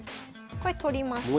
これ取ります。